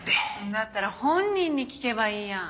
だったら本人に聞けばいいやん